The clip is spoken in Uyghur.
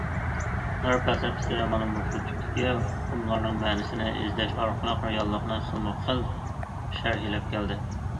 غەرب پەلسەپىسى مانا مۇشۇ تۈپكى ئۇقۇملارنىڭ مەنىسىنى ئىزدەش ئارقىلىق رېئاللىقنى خىلمۇ خىل شەرھلەپ كەلدى.